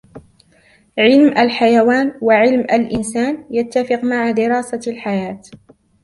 علم الحيوان وعلم الإنسان يتفق مع دراسة الحياة.